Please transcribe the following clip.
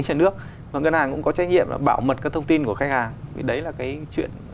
của họ và ngân hàng cũng có trách nhiệm bảo mật các thông tin của khách hàng vì đấy là cái chuyện